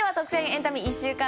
エンタメ１週間。